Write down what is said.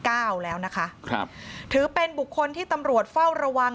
คดีที่๙แล้วนะคะถือเป็นบุคคลที่ตำรวจเฝ้าระวัง